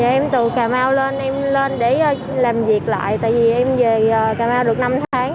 em từ cà mau lên em lên để làm việc lại tại vì em về cà mau được năm tháng